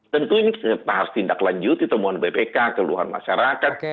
tentu ini kita harus tindaklanjuti temuan bpk keluhan masyarakat